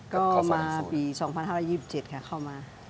ก็เข้ามาปี๒๕๒๗ค่ะเข้ามา